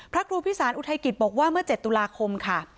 พระครูพิสารอุทัยกิจบอกว่าเมื่อ๗ตุลาคมค่ะ